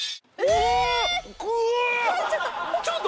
えっ！？